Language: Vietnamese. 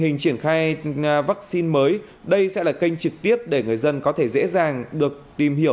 hình triển khai vaccine mới đây sẽ là kênh trực tiếp để người dân có thể dễ dàng được tìm hiểu